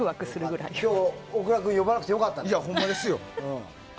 今日大倉君呼ばなくてよかったね。